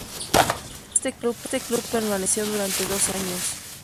En este club permaneció durante dos años.